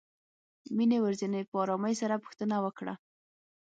مينې ورڅنې په آرامۍ سره پوښتنه وکړه.